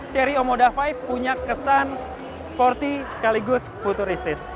cherry omoda lima punya kesan sporty sekaligus futuristis